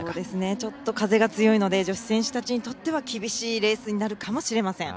ちょっと風が強いので女子選手たちにとっては厳しいレースになるかもしれません。